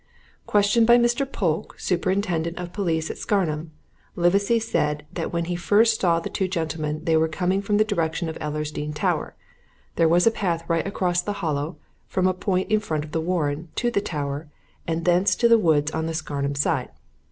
"'Questioned by Mr. Polke, superintendent of police at Scarnham, Livesey said that when he first saw the two gentlemen they were coming from the direction of Ellersdeane Tower. There was a path right across the Hollow, from a point in front of the Warren, to the Tower, and thence to the woods on the Scarnham side.